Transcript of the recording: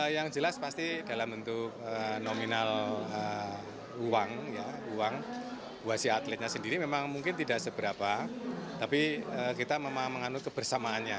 yang jelas pasti dalam bentuk nominal uang buat si atletnya sendiri memang mungkin tidak seberapa tapi kita memang menganut kebersamaannya